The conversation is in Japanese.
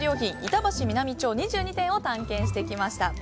板橋南町２２を探検してきました。